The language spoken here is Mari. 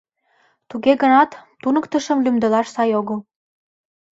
— Туге гынат туныктышым лӱмдылаш сай огыл.